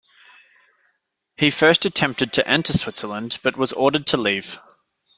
He first attempted to enter Switzerland, but was ordered to leave.